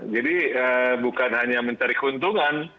jadi bukan hanya mencari keuntungan